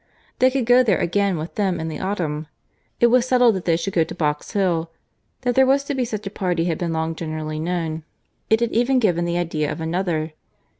They could go there again with them in the autumn. It was settled that they should go to Box Hill. That there was to be such a party had been long generally known: it had even given the idea of another.